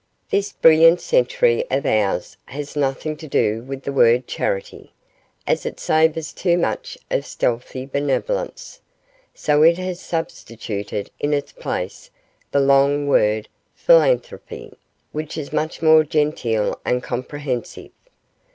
This brilliant century of ours has nothing to do with the word charity, as it savours too much of stealthy benevolence, so it has substituted in its place the long word philanthropy, which is much more genteel and comprehensive.